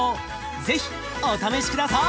是非お試し下さい！